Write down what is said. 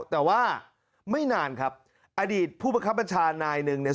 แต่ว่าไม่นานครับอดีตผู้ประคับบัญชานายหนึ่งเนี่ย